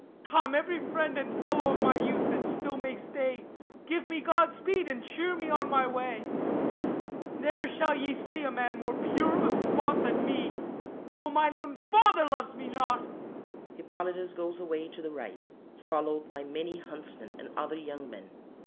Come, every friend And fellow of my youth that still may stay, Give me god speed and cheer me on my way. Ne'er shall ye see a man more pure of spot Than me, though mine own Father loves me not! [HIPPOLYTUS _goes away to the right, followed by many Huntsmen and other young men.